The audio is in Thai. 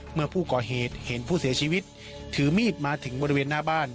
เมื่อผู้ก่อเหตุเห็นผู้เสียชีวิตถือมีดมาถึงบริเวณหน้าบ้าน